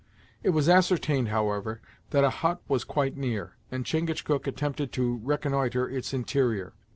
It was ascertained, however, that a hut was quite near, and Chingachgook attempted to reconnnoitre its interior.